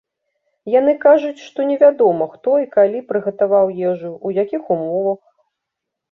Яны кажуць, што невядома, хто і калі прыгатаваў ежу, у якіх умовах.